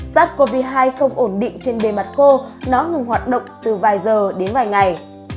sars cov hai không ổn định trên bề mặt khô nó ngừng hoạt động từ vài giờ đến vài ngày